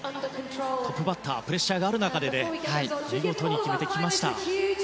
トップバッタープレッシャーがある中見事に決めてきました。